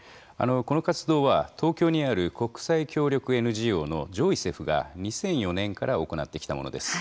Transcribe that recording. この活動は東京にある国際協力ＮＧＯのジョイセフが２００４年から行ってきたものです。